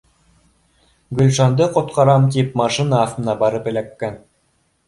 Гөлшанды ҡотҡарам тип машина аҫтына барып эләккән